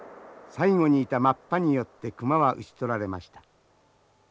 最後にいたマッパによって熊は撃ち取られました。